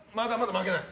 負けない？